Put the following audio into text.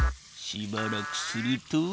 しばらくすると。